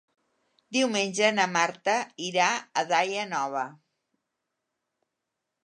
Diumenge na Marta irà a Daia Nova.